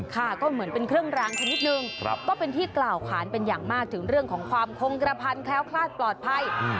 ค่ะก็เหมือนเป็นเครื่องรางชนิดนึงก็เป็นที่กล่าวขานเป็นอย่างมากถึงเรื่องของความคงกระพันแคล้วคลาดปลอดภัย